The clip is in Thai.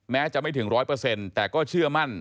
แม้จะไม่ถึง๑๐๐แต่ก็เชื่อมั่น